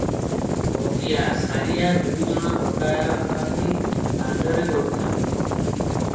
ଭଗିଆ, ସାରିଆ ଦୁଇଜଣ ଡକାପାତି ଦାଣ୍ତରେ ଗଡୁଥାନ୍ତି ।